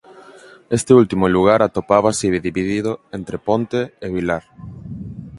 Este último lugar atopábase dividido entre Ponte e Vilar.